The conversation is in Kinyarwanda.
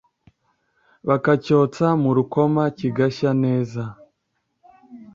bakacyotsa mu rukoma kigashya neza